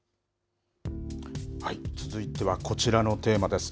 続いてはこちらのテーマです。